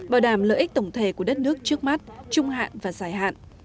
bảo đảm lợi ích tổng thể của đất nước trước mắt trung hạn và dài hạn